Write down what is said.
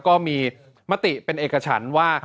ก็มีมติเป็นเอกฉันว่า